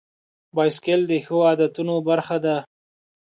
بایسکل د ښو عادتونو برخه ده.